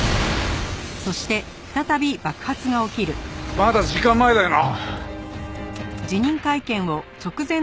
まだ時間前だよな！？